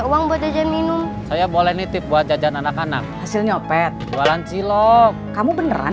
uang buat jajan minum saya boleh nitip buat jajan anak anak hasil nyopet jualan cilok kamu beneran